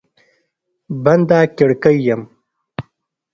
بنده کړکۍ یم